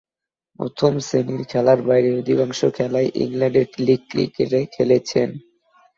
প্রথম-শ্রেণীর খেলার বাইরে অধিকাংশ খেলাই ইংল্যান্ডের লীগ ক্রিকেটে খেলেছেন।